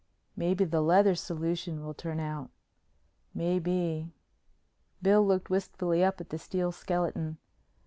"Maybe the leather solution will turn out." "Maybe." Bill looked wistfully up at the steel skeleton.